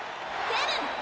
セブン！